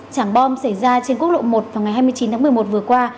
trảng bom xảy ra trên quốc lộ một vào ngày hai mươi chín tháng một mươi một vừa qua